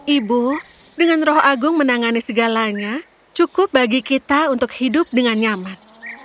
ibu dengan roh agung menangani segalanya cukup bagi kita untuk hidup dengan nyaman